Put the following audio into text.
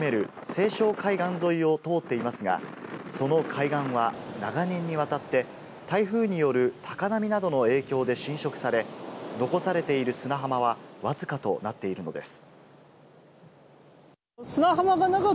西湘海岸沿いを通っていますが、その海岸は長年にわたって台風による高波などの影響で浸食され、残されている砂浜はわずかとなっているのです。